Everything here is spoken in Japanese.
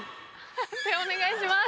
判定お願いします。